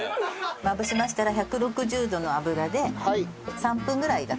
まぶしましたら１６０度の油で３分ぐらいだと思います。